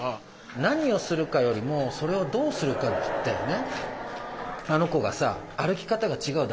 何をするかよりもそれをどうするかだよね。